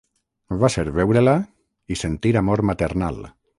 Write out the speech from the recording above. Va ser veure-la i sentir amor maternal.